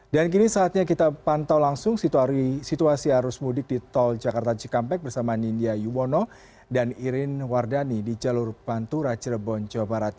dan kini saatnya kita pantau langsung situasi arus mudik di tol jakarta cikampek bersama nindya yuwono dan irin wardani di jalur pantu raja rebon jawa barat